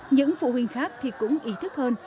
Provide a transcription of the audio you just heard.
những phụ huynh khác thì cũng ý thức hơn